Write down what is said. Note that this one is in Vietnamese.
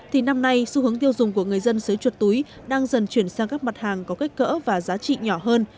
thì năm nay xu hướng tiêu dùng của người dân sới chuột túi đang dần chuyển sang các mặt hàng có kích cỡ và giá trị nhỏ hơn